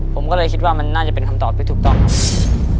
ผมก็เลยคิดว่ามันน่าจะเป็นคำตอบที่ถูกต้องครับ